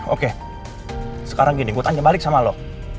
oke sekarang gini gue tanya balik sama loh